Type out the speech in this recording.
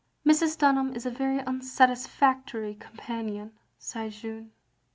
"Mrs. Dunham is a very unsatisfactory com panion, " sighed Jeanne.